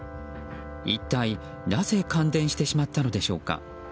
一体なぜ感電してしまったのでしょうか。